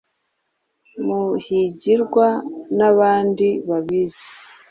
Muhigirwa n'abandi babizi